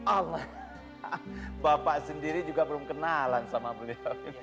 allah bapak sendiri juga belum kenalan sama beliau